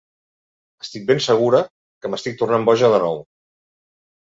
Estic ben segura que m’estic tornant boja de nou.